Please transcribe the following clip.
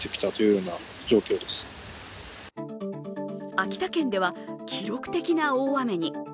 秋田県では記録的な大雨に。